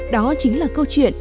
đó chính là câu chuyện